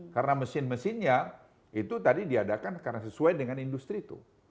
karena mesin mesinnya itu tadi diadakan karena sesuai dengan industri itu